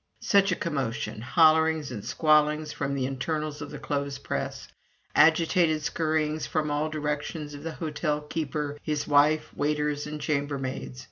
Such a commotion hollerings and squallings from the internals of the clothes press, agitated scurryings from all directions of the hotel keeper, his wife, waiters, and chambermaids.